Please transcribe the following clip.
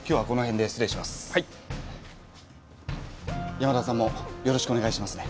山田さんもよろしくお願いしますね。